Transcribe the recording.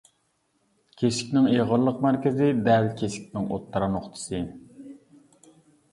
كېسىكنىڭ ئېغىرلىق مەركىزى دەل كېسىكنىڭ ئوتتۇرا نۇقتىسى.